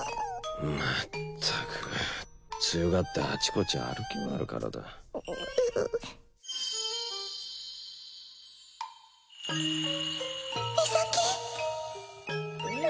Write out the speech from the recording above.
まったく強がってあちこち歩き回るからだ岬